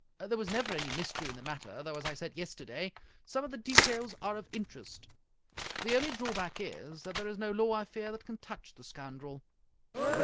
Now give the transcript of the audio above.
There was never any mystery in the matter, though, as I said yesterday, some of the details are of in terest. The only drawback is that there is no law, I fear, that can touch the scoundrel."